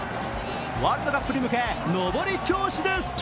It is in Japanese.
ワールドカップに向け、登り調子です。